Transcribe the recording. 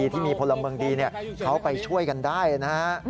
ที่มีพลเมืองดีเขาไปช่วยกันได้นะฮะ